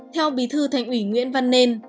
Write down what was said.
theo bí thư thành ủy nguyễn văn nên